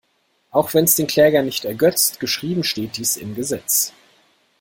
Auch wenn’s den Kläger nicht ergötzt, geschrieben steht dies im Gesetz.